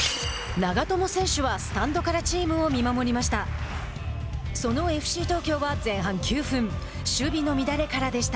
長友選手はスタンドからチームを見守りました。